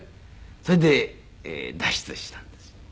それで脱出したんです